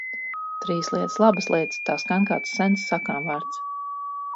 Trīs lietas labas lietas, tā skan kāds sens sakāmvārds.